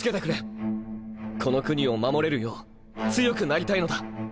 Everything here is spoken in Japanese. この国を守れるよう強くなりたいのだ。